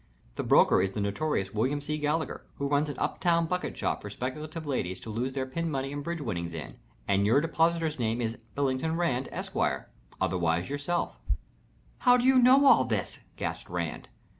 "The broker is the notorious William C. Gallagher, who runs an up town bucket shop for speculative ladies to lose their pin money and bridge winnings in, and your depositor's name is Billington Rand, Esq. otherwise yourself." "How do you know all this?" gasped Rand.